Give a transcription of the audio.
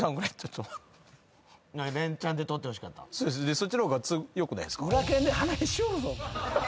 そっちの方がよくないっすか？